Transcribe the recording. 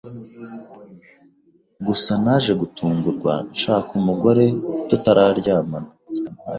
gusa naje gutungurwa nshaka umugore tutararyamana,